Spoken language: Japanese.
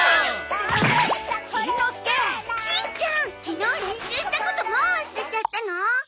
昨日練習したこともう忘れちゃったの？